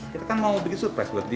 kita kan mau bikin surprise buat dia